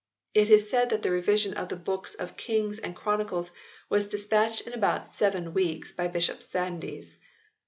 It is said that the revision of the books of Kings and Chronicles was despatched in about seven weeks by Bishop Sandys.